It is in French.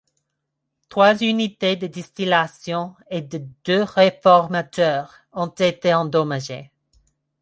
Trois unités de distillation et de deux réformateurs ont été endommagés.